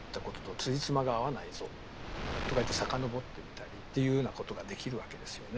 つじつまが合わないぞとかいって遡ってみたりっていうようなことができるわけですよね。